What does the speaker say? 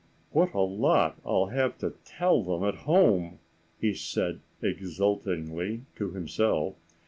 "What a lot I'll have to tell them at home!" he said exultingly to himself.